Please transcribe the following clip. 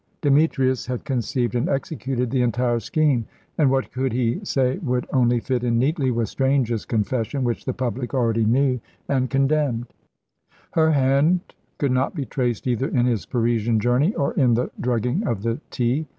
Demetrius had conceived and executed the entire scheme, and what he could say would only fit in neatly with Strange's confession, which the public already knew and condemned. Her hand could not be traced either in his Parisian journey or in the drugging of the tea.